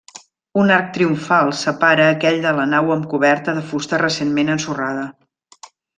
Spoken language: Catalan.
Un arc triomfal separa aquell de la nau amb coberta de fusta recentment ensorrada.